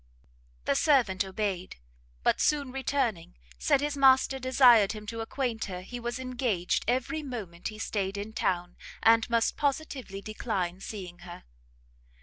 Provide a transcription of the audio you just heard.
The servant obeyed; but soon returning, said his master desired him to acquaint her he was engaged every moment he stayed in town, and must positively decline seeing her.